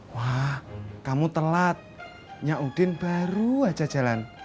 wah kamu telat yaudin baru aja jalan